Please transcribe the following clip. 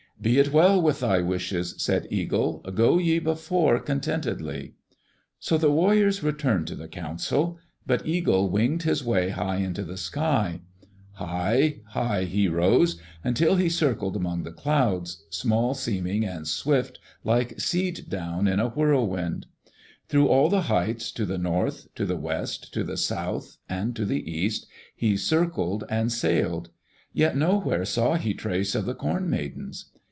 "Be it well with thy wishes," said Eagle. "Go ye before contentedly." So the warriors returned to the council. But Eagle winged his way high into the sky. High, high, he rose, until he circled among the clouds, small seeming and swift, like seed down in a whirlwind. Through all the heights, to the north, to the west, to the south, and to the east, he circled and sailed. Yet nowhere saw he trace of the Corn Maidens.